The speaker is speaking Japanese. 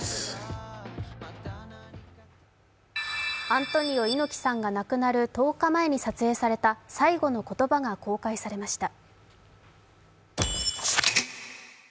アントニオ猪木さんが亡くなる１０日前に撮影された「最期の言葉」が公開されました。